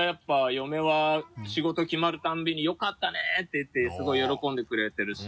嫁は仕事決まるたびに「よかったね」って言ってすごい喜んでくれてるし。